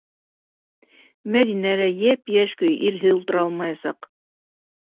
Мәҙинә лә йәп-йәш көйө ирһеҙ ултыра алмаясаҡ.